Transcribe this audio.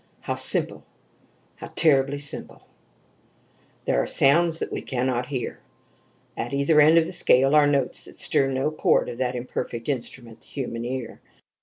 How simple how terribly simple! "There are sounds that we can not hear. At either end of the scale are notes that stir no chord of that imperfect instrument, the human ear.